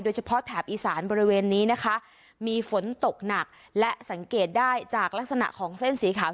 แถบอีสานบริเวณนี้นะคะมีฝนตกหนักและสังเกตได้จากลักษณะของเส้นสีขาว